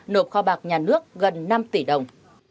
nộp kho bạc nhà nước gần năm tỷ đồng